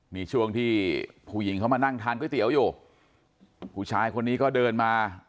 นี่ช่วงที่ผู้หญิงเขามานั่งทานก๋วยเตี๋ยวอยู่ผู้ชายคนนี้ก็เดินมา